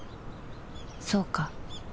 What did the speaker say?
そうか